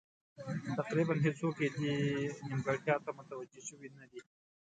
تقریبا هېڅوک یې دې نیمګړتیا ته متوجه شوي نه دي.